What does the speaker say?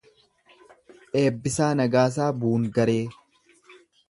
Eebbisaa Nagaasaa Buungaree